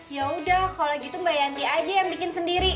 ya udah kalo gitu mba yandi aja yang bikin sendiri